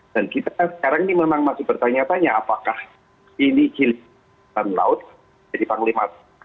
dan kita sekarang ini memang masih bertanya tanya apakah ini giliran laut jadi panglima tni